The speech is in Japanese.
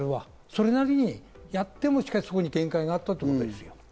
それなりにやっても限界があったということですよ。